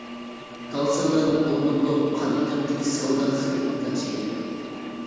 تال: سەۋدانىڭ ئورنى بولۇپ، قان ئېقىمىدىكى سەۋدا خىلىتىنى تەڭشەيدۇ.